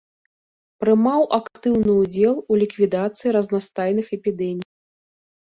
Прымаў актыўны ўдзел у ліквідацыі разнастайных эпідэмій.